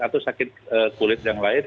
atau sakit kulit yang lain